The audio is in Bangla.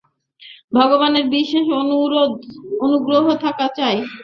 ভগবানের বিশেষ অনুগ্রহ থাকা চাই।